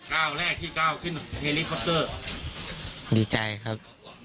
ก้าวแรกที่ก้าวขึ้นเฮลิคอปเตอร์ดีใจครับ